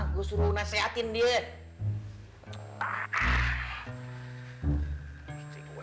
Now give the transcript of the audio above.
gue suruh naseatin dia